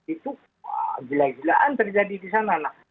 itu gila gilaan terjadi disana